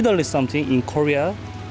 karena kerap mencintai warga warga yang berbeda